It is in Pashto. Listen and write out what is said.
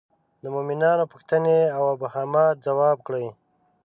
د مومنانو پوښتنې او ابهامات ځواب کړي.